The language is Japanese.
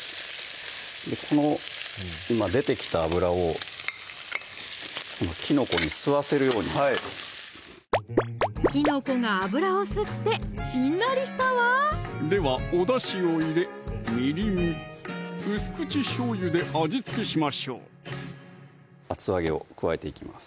この今出てきた脂をきのこに吸わせるようにきのこが脂を吸ってしんなりしたわではおだしを入れみりん・薄口しょうゆで味付けしましょう厚揚げを加えていきます